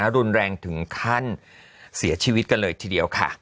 รุนแรงถึงขั้นเสียชีวิตกันเลยทีเดียวค่ะ